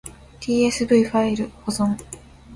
tsv ファイル保存